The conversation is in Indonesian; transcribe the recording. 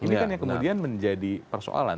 ini kan yang kemudian menjadi persoalan